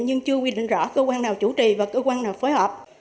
nhưng chưa quy định rõ cơ quan nào chủ trì và cơ quan nào phối hợp